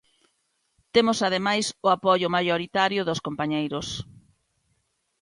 Temos ademais o apoio maioritario dos compañeiros.